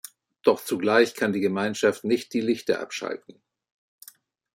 Doch zugleich kann die Gemeinschaft nicht die Lichter abschalten.